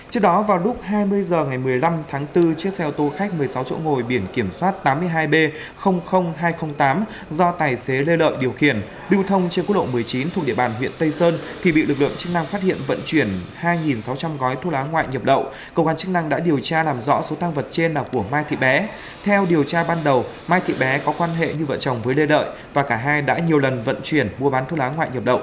cả hai đã nhiều lần vận chuyển mua bán thuốc lá ngoại nhập đậu